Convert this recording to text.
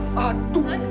oh itu malingnya